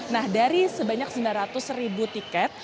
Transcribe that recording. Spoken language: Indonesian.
nah dari sebanyak sembilan ratus ribu tiket